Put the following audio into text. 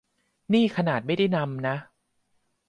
นี่ขนาดไม่ได้นำนะ